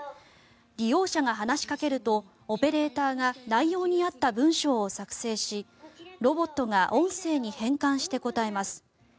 利用者が話しかけるとオペレーターが内容に合った文章を作成しロボットが音声に変換して答えます。